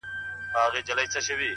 لوڅ لپړ توره تر ملا شمله یې جګه!.